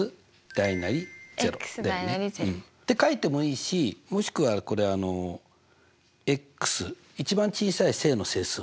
大なり０って書いてもいいしもしくはこれあの一番小さい正の整数は？